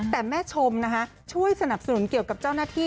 แต่แม่ชมนะคะช่วยสนับสนุนเกี่ยวกับเจ้าหน้าที่